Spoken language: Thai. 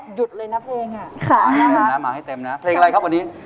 หยุดเลยนะเพลงอ่ะมาให้เต็มนะเพลงอะไรครับวันนี้